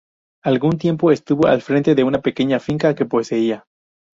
Algún tiempo estuvo al frente de una pequeña finca que poseía.